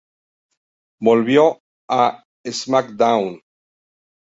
Volvió a "SmackDown!